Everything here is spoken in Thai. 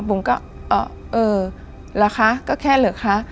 บุ๋มก็เออเออละคะก็แค่เหลือค่ะ